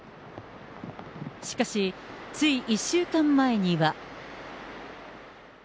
しかし、つい１週間前には。